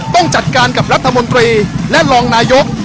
ต้องจัดการกับรัฐบาลลองนายก